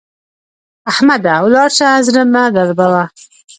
احمده! ولاړ شه؛ زړه مه دربوه.